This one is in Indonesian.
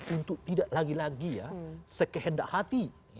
untuk tidak lagi lagi ya sekehendak hati